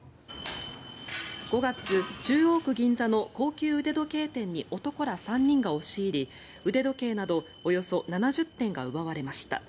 ５月、中央区銀座の高級時計店に男ら３人が押し入り腕時計などおよそ７０点が奪われました。